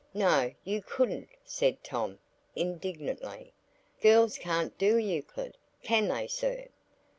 "No, you couldn't," said Tom, indignantly. "Girls can't do Euclid; can they, sir?"